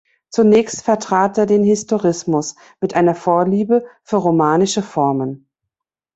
Zunächst vertrat er den Historismus mit einer Vorliebe für romanische Formen.